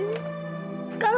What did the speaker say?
tidak ada kesalahan